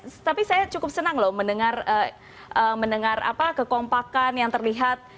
tapi saya cukup senang loh mendengar kekompakan yang terlihat